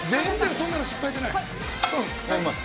そんなの失敗じゃない。